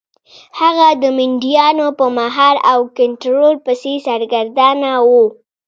هغه د مینډیانو په مهار او کنټرول پسې سرګردانه و.